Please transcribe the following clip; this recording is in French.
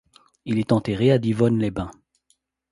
Il est enterré à Divonne-les-Bains.